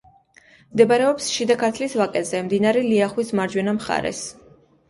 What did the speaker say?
მდებარეობს შიდა ქართლის ვაკეზე, მდინარე ლიახვის მარჯვენა მხარეს.